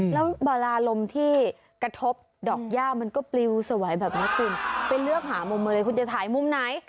แล้วบาราลมที่กระทบดอกย่ามันก็ปลิวสวัยแบบนี้คุณไปเลือกหามุมมาเลยคุณจะถ่ายมุมไหน